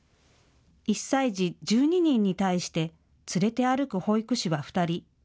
１歳児１２人に対して連れて歩く保育士は２人。